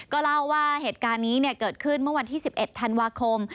ก็เล่าว่าเหตุการณ์นี้เกิดขึ้นเมื่อวันที่๑๑ธันวาคม